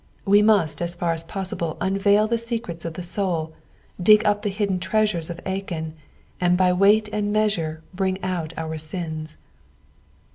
We must as far as possible unveil the secrets of the soul, dig up the hidden treasure of Achan, and by weight and measure bring out our sins.